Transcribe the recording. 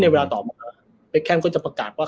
เวลาต่อมาเบคแคมก็จะประกาศว่า